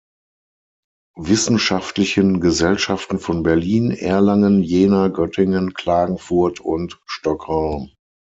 Wissenschaftlichen Gesellschaften von Berlin, Erlangen, Jena, Göttingen, Klagenfurt und Stockholm.